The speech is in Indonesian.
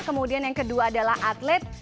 kemudian yang kedua adalah atlet